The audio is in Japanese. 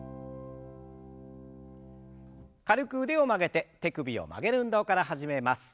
軽く腕を曲げて手首を曲げる運動から始めます。